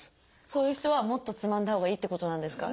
そういう人はもっとつまんだほうがいいってことなんですか？